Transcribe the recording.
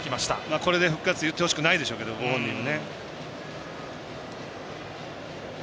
これで復活って言ってほしくないでしょうけどねご本人は。